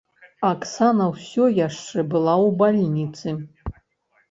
Аксана ўсё яшчэ была ў бальніцы.